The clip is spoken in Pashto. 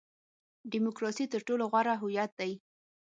ډیموکراسي تر ټولو غوره هویت دی.